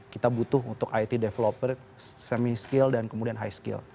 kita butuh untuk it developer semi skill dan kemudian high skill